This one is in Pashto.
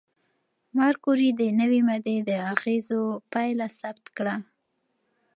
ماري کوري د نوې ماده د اغېزو پایله ثبت کړه.